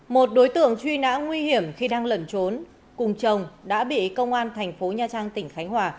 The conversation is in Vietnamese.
một đối tượng truy nã nguy hiểm khi đang lẩn trốn cùng chồng đã bị công an thành phố nha trang tỉnh khánh hòa